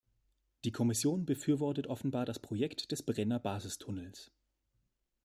Die Kommission befürwortet offenbar das Projekt des Brennerbasistunnels.